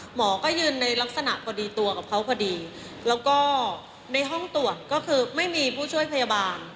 หมอก็ยืนในลักษณะพอดีตัวกับเขาพอดีแล้วก็ในห้องตรวจก็คือไม่มีผู้ช่วยพยาบาล